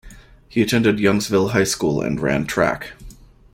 He attended Youngsville High School and ran track.